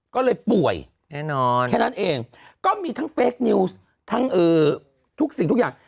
ก็เลยป่วยแค่นั้นเองก็มีทั้งเฟคนิวส์ทั้งทุกสิ่งทุกอย่าง